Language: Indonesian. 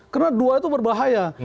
karena dua itu berbahaya